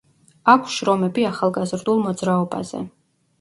აქვს შრომები ახალგაზრდულ მოძრაობაზე.